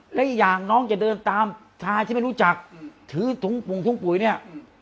และอีกอย่างน้องจะเดินตามชายที่ไม่รู้จักถือถุงปุ่งถุงปุ๋ยเนี่ย